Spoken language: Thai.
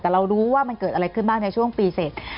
แต่เรารู้ว่ามันเกิดอะไรขึ้นบ้างในช่วงปีเสร็จ